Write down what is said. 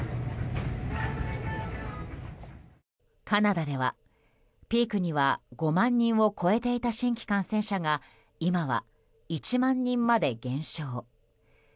カナダではピークには５万人を超えていた新規感染者が今は１万人まで減少。